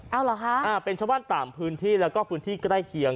เอาเหรอคะเป็นชาวบ้านต่างพื้นที่แล้วก็พื้นที่ใกล้เคียง